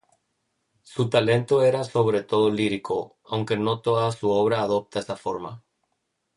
Su talento era sobre todo lírico, aunque no toda su obra adopta esa forma.